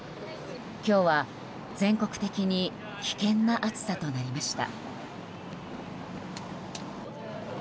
今日は全国的に危険な暑さとなりました。